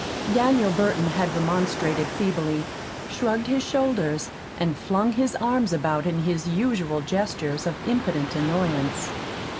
Daniel Burton had remonstrated feebly, shrugged his shoulders and flung his arms about in his usual gestures of impotent annoyance.